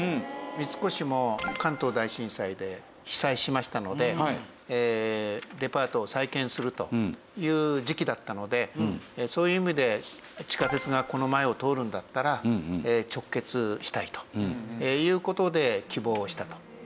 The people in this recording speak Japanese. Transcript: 三越も関東大震災で被災しましたのでデパートを再建するという時期だったのでそういう意味で地下鉄がこの前を通るんだったら直結したいという事で希望したと。